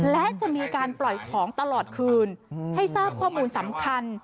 และจะมีการปล่อยของตลอดคืนให้ทราบข้อมูลสำคัญ